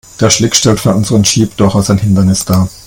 Der Schlick stellt für unseren Jeep durchaus ein Hindernis dar.